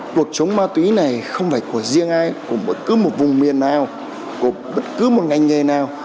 cuộc chống ma túy này không phải của riêng ai của bất cứ một vùng miền nào của bất cứ một ngành nghề nào